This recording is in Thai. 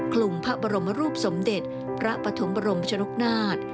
คลุมพระบรมรูปสมเด็จพระปฐมบรมชนกนาฏ